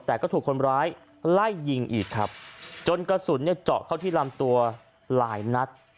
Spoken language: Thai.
แต่ก็ถูกคนร้ายไล่ยิงอีกครับจนกระสุนเนี่ยเจาะเข้าที่ลำตัวหลายนัด